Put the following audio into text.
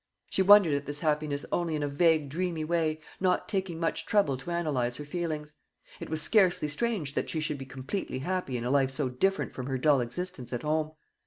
She wondered at this happiness only in a vague dreamy way, not taking much trouble to analyse her feelings. It was scarcely strange that she should be completely happy in a life so different from her dull existence at home.